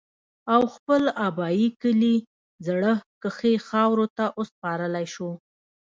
او خپل ابائي کلي زَړَه کښې خاورو ته اوسپارلے شو